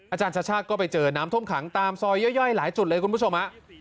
อาจารย์ชัชชาก็ไปเจอน้ำท่มขังตามซอยเยอะแย่ละหลายจุดเลยคุณผู้ชม